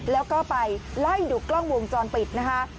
แล้วก็ไปไล่ดูกล้องวงจรปิดนะคะ